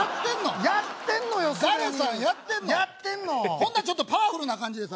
ほんならちょっとパワフルな感じでさ